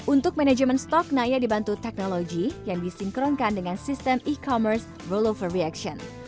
untuk manajemen stok naya dibantu teknologi yang disinkronkan dengan sistem e commerce rollover reaction